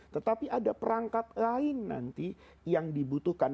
tetapi ada perangkat lain nanti yang dibutuhkan